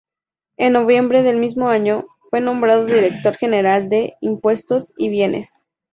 En noviembre del mismo año, fue nombrado Director General de Impuestos y Bienes.